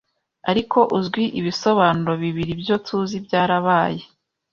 Ariko 'uzwi ibisobanuro bibiri 'ibyo tuzi byarabaye